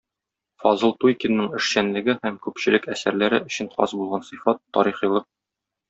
Фазыл Туйкинның эшчәнлеге һәм күпчелек әсәрләре өчен хас булган сыйфат - тарихилык.